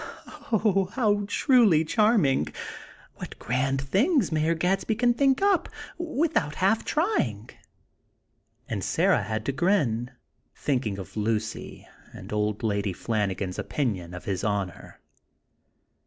Oh! how truly charming! What grand things Mayor Gadsby can think up without half trying!" And Sarah had to grin, thinking of Lucy, and Old Lady Flanagan's opinion of His Honor!